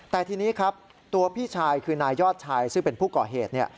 แต่ทีนี้ครับตัวพี่ชายคือนายยอดชายซึ่งเป็นผู้ก่อเหตุ